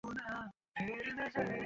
উনার হালকা জ্বর আছে।